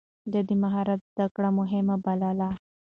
ده د مهارت زده کړه مهمه بلله.